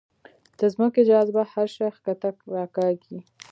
د ځمکې جاذبه هر شی ښکته راکاږي.